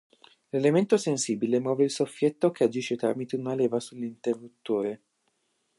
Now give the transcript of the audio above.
L'elemento sensibile muove il soffietto che agisce tramite una leva sull'interruttore.